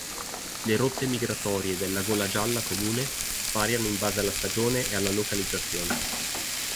Le rotte migratorie della golagialla comune variano in base alla stagione e alla localizzazione.